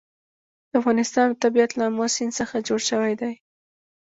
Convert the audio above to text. د افغانستان طبیعت له آمو سیند څخه جوړ شوی دی.